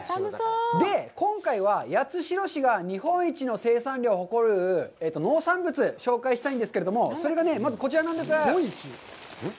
で、今回は、八代市が日本一の生産量を誇る農産物、紹介したいんですけれども、それがね、まず、こちらなんです。